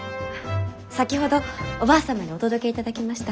先ほどおばあ様にお届けいただきました。